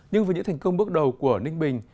nhưng với những thành công bước đầu của ninh bình